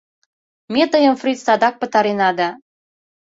Ме тыйым, фриц, садак пытарена да...